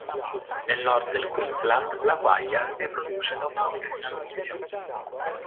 Nel nord del Queensland la quaglia si riproduce da ottobre fino a luglio.